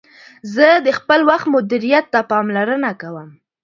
زه د خپل وخت مدیریت ته پاملرنه کوم.